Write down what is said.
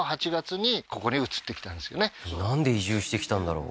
そうなんで移住してきたんだろう？